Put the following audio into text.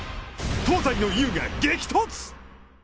東西の雄が激突！